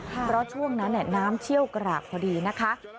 เพราะช่วงนั้นน้ำเชี่ยวกรากพอดีนะคะ